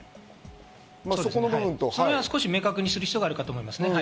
そこは明確にする必要があると思います。